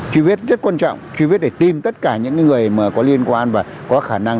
truy vết rất quan trọng truy vết để tin tất cả những người mà có liên quan và có khả năng